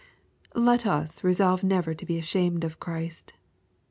Let us resolve never to be ashamed of Christ.